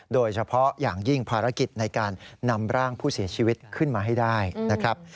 โดยเฉพาะอย่างยิ่งภารกิจในการนำร่างผู้เสียชีวิตขึ้นมาให้ได้นะครับ